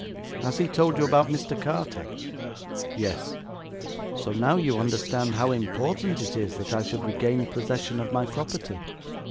Has he told you about Mr. Carter?' 'Yes.' 'So now you understand how important it is that I should regain possession of my property?'